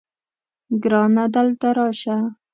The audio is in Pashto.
ګرانه دلته راشه